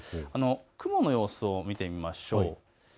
雲の様子を見てみましょう。